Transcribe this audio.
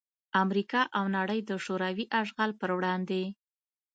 امریکا او نړۍ دشوروي اشغال پر وړاندې